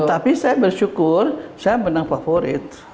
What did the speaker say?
tapi saya bersyukur saya menang favorit